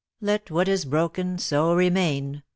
' Let what is broken so remain!'"